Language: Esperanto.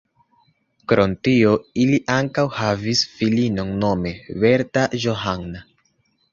Krom tio ili ankaŭ havis filinon nome Berta Johanna.